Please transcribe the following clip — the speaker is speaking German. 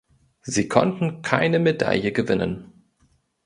Sie konnten keine Medaille gewinnen.